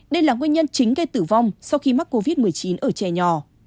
đây là nguyên nhân chính gây tử vong sau khi mắc covid một mươi chín ở trẻ nhỏ